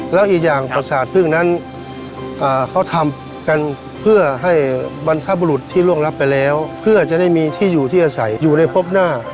แล้วอีกอย่างประสาทพึ่งนั้นเขาทำกันเพื่อให้บรรพบุรุษที่ร่วงรับไปแล้วเพื่อจะได้มีที่อยู่ที่อาศัยอยู่ในพบหน้า